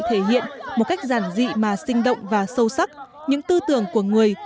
thể hiện một cách giản dị mà sinh động và sâu sắc những tư tưởng của người